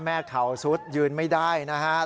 แม่เขาสุดยืนไม่ได้นะครับ